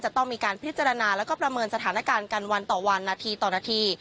จะต้องมีการพิจารณาแล้วก็ประเมินสถานการณ์กันวันต่อวันนาทีต่อนาที